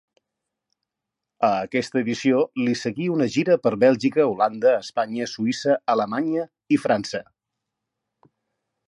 A aquesta edició li seguí una gira per Bèlgica, Holanda, Espanya, Suïssa, Alemanya i França.